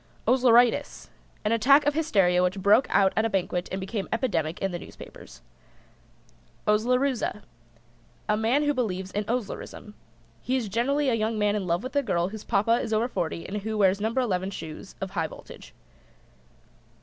OSLERITIS. An attack of hysteria which broke out at a banquet and became epidemic in the newspapers. OSLEROOZA. A man who believes in Oslerism. He is generally a young man in love with a girl whose Papa is over forty and who wears No. 11 shoes of a high voltage.